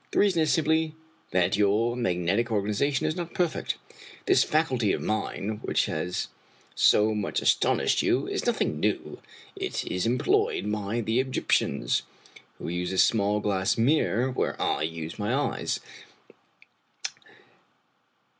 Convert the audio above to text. The reason is simply that your magnetic organization is not perfect. This faculty of mine, which has so much astonished you, is nothing new. It is employed by the Egyptians, who use a small glass mirror where I use my eyes.